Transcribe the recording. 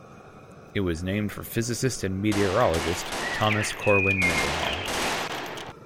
It was named for physicist and meteorologist Thomas Corwin Mendenhall.